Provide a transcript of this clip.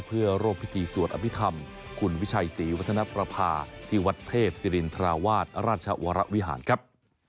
เพื่อร่วมพิธีสวดอภิษฐรรมคุณวิชัยศรีวัฒนประพาที่วัดเทพศิรินทราวาสราชวรวิหารครับ